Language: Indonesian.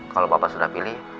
kalau bapak sudah pilih